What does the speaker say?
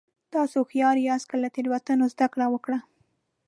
تاسو هوښیار یاست که له تېروتنو زده کړه وکړه.